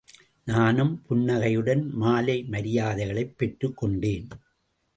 நானும் புன்னகையுடன் மாலை மரியாதைகளைப் பெற்றுக் கொண்டேன்.